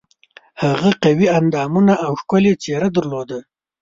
هغه قوي اندامونه او ښکلې څېره یې درلوده.